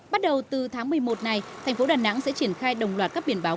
bắt đầu từ tháng một mươi một này thành phố đà nẵng sẽ triển khai đồng loạt các biển báo